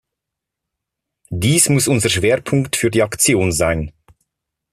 Dies muss unser Schwerpunkt für die Aktion sein.